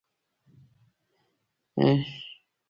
ښکرور ګډ ئې ښکار کړو، د هغه د غوښې ښوروا مو وڅښله